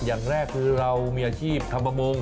อย่างแรกคือเรามีอาชีพทำประมง